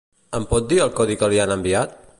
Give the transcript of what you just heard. Em pot dir el codi que li han enviat?